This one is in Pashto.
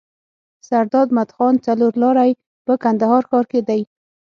سرداد مدخان څلور لاری په کندهار ښار کي دی.